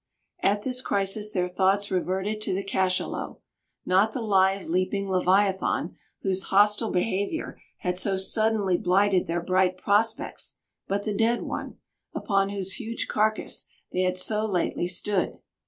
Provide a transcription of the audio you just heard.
At this crisis their thoughts reverted to the cachalot, not the live, leaping leviathan, whose hostile behaviour had so suddenly blighted their bright prospects; but the dead one, upon whose huge carcass they had so lately stood.